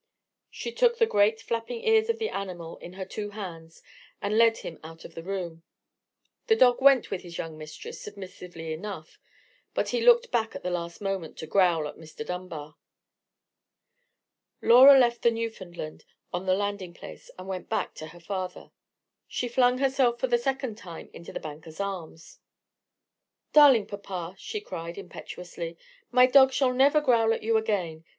She took the great flapping ears of the animal in her two hands, and led him out of the room. The dog went with his young mistress submissively enough: but he looked back at the last moment to growl at Mr. Dunbar. Laura left the Newfoundland on the landing place, and went back to her father. She flung herself for the second time into the banker's arms. "Darling papa," she cried, impetuously; "my dog shall never growl at you again.